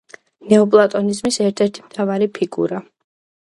ნეოპლატონიზმის ერთ-ერთი მთავარი ფიგურა.